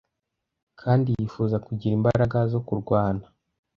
Kandi yifuzaga kugira imbaraga zo kurwana.